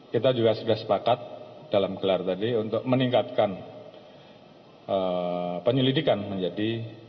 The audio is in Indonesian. kita juga sudah sepakat dalam gelar tadi untuk meningkatkan penyelidikan menjadi